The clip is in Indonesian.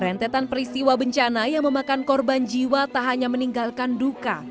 rentetan peristiwa bencana yang memakan korban jiwa tak hanya meninggalkan duka